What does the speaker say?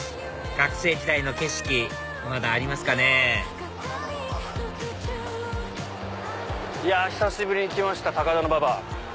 学生時代の景色まだありますかねいや久しぶりに来ました高田馬場。